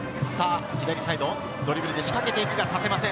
左サイド、ドリブルで仕掛けていくがさせません。